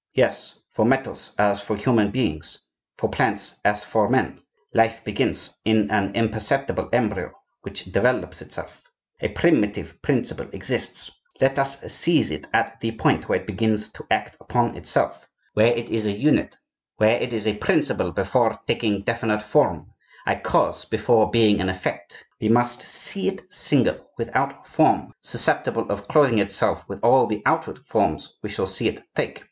Yes, for metals as for human beings, for plants as for men, life begins in an imperceptible embryo which develops itself. A primitive principle exists; let us seize it at the point where it begins to act upon itself, where it is a unit, where it is a principle before taking definite form, a cause before being an effect; we must see it single, without form, susceptible of clothing itself with all the outward forms we shall see it take.